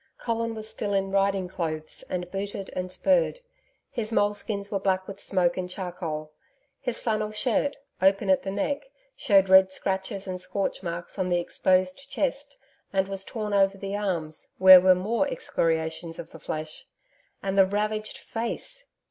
Colin was still in riding clothes and booted and spurred. His moleskins were black with smoke and charcoal; his flannel shirt, open at the neck, showed red scratches and scorch marks on the exposed chest and was torn over the arms, where were more excoriations of the flesh. And the ravaged face!